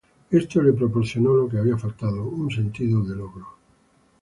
Esto le proporcionó lo que había faltado; un sentido de logro.